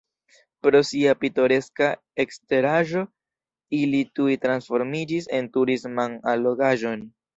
Pro sia pitoreska eksteraĵo ili tuj transformiĝis en turisman allogaĵon.